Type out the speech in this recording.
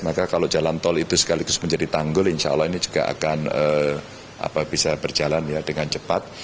maka kalau jalan tol itu sekaligus menjadi tanggul insya allah ini juga akan bisa berjalan ya dengan cepat